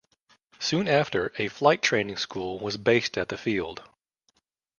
Soon after, a flight training school was based at the field.